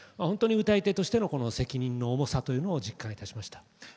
ほんとに歌い手としての責任の重さというのを実感いたしました。